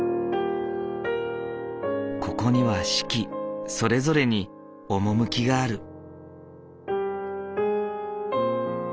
ここには四季それぞれに趣がある。